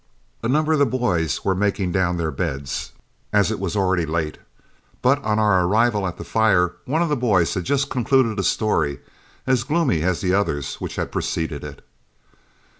A number of the boys were making down their beds, as it was already late; but on our arrival at the fire one of the boys had just concluded a story, as gloomy as the others which had preceded it.